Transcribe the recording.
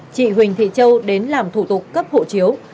chị huỳnh thị châu đến làm thủ tục cấp hộ chiếu